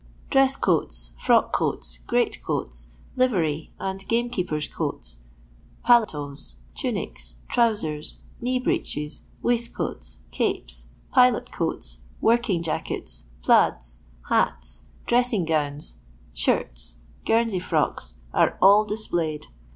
Dress coats, frock coats, great coats, livery and game keepers' coats, paletots, tunics, trowsers, knee breeches, waist coats, capes, pilot coats, working jackets, plaids, hats, dressing gowns, shirts, Guernsey frocks, are all displayed.